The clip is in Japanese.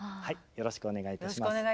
よろしくお願いします。